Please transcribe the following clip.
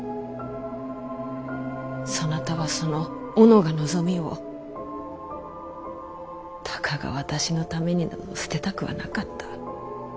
そなたはその己が望みをたかが私のためになど捨てたくはなかった。